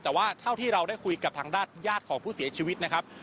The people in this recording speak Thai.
แต่ว่าเท่าที่เราได้คุยกับทางด้านญาติของผู้เสียชีวิตนะครับ